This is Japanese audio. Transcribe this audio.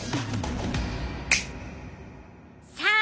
さあ